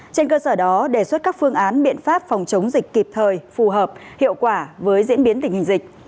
trên cơ sở đó đề xuất các phương án biện pháp phòng chống dịch kịp thời phù hợp hiệu quả với diễn biến tình hình dịch